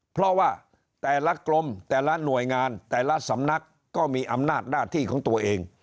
เพราะว่าแต่ละกรมแต่ละหน่วยงานแต่ละสำนักก็มีอำนาจหน้าที่ของตัวเอง